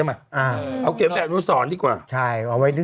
ไม่ขายด้วยนะ